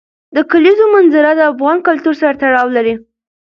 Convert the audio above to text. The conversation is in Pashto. د کلیزو منظره د افغان کلتور سره تړاو لري.